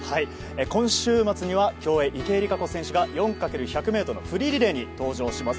今週末には競泳・池江璃花子選手が４×１００ｍフリーリレーに登場します。